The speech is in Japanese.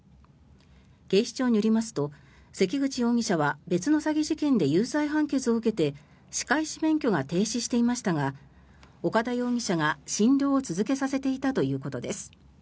警視庁によりますと関口容疑者は別の詐欺事件で有罪判決を受けて歯科医師免許が停止していましたが岡田容疑者が診療を続けさせていたということです。